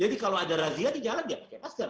jadi kalau ada razia di jalan dia pakai masker